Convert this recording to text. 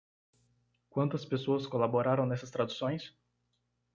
Quantas pessoas colaboraram nessas traduções?